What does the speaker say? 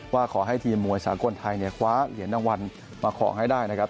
ว่าขอให้ทีมมวยสากลไทยเนี่ยคว้าเหรียญรางวัลมาขอให้ได้นะครับ